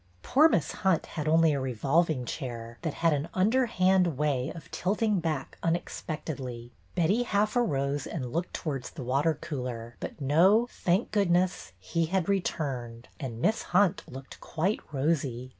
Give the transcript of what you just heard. Poor Miss Hunt had only a revolving chair, that had an underhand way of tilting back unexpectedly. Betty half arose and looked towards the water cooler; but no, thank goodness, he had returned, and Miss Hunt looked quite rosy.